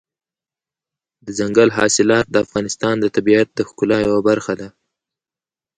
دځنګل حاصلات د افغانستان د طبیعت د ښکلا یوه برخه ده.